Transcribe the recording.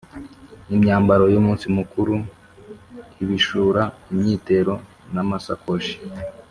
imyambaro y’umunsi mukuru, ibishura, imyitero n’amasakoshi